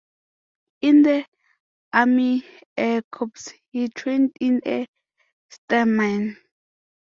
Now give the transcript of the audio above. In the Army Air Corps, he trained in a Stearman.